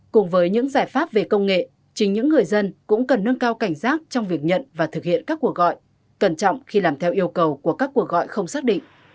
cùng với những giải pháp về công nghệ chính những người dân cũng cần nâng cao cảnh giác trong việc nhận và thực hiện các cuộc gọi cẩn trọng khi làm theo yêu cầu của các cuộc gọi không xác định